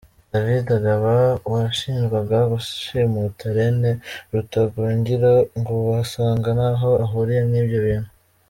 David Agaba washinjwaga gushimuta Rene Rutagungira, ngo basanga ntaho ahuriye n’ibyo bintu.